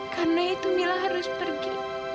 karena itu mila harus pergi